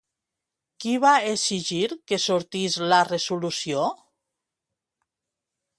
Qui va exigir que sortís la resolució?